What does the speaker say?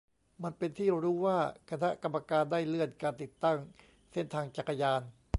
มันเป็นที่รู้ว่าคณะกรรมการได้เลื่อนการติดตั้งเส้นทางจักรยาน